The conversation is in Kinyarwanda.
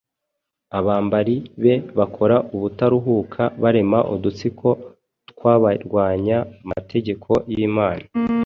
abambari be bakora ubutaruhuka barema udutsiko tw’abarwanya amategeko y’Imana.